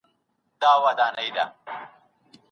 که شتمني پټه کړي، نو ژوند به يې ښه نه وي.